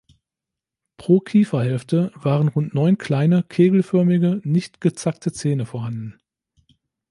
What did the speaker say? Pro Kieferhälfte waren rund neun kleine, kegelförmige, nicht gezackte Zähne vorhanden.